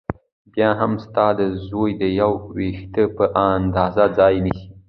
بيا هم ستا د زوى د يوه وېښته په اندازه ځاى نيسي .